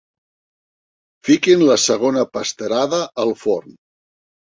Fiquen la segona pasterada al forn.